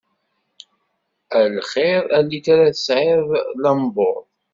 A lxiṛ, a litra, tesɛiḍ llembuḍ!